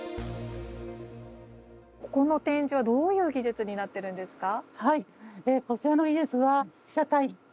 ここの展示はどういう技術になってるんですか。